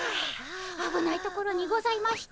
あぶないところにございました。